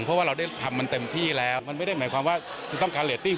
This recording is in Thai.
เพราะว่าเราได้ทำมันเต็มที่แล้วมันไม่ได้หมายความว่าจะต้องการเรตติ้ง